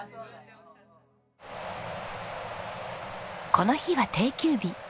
この日は定休日。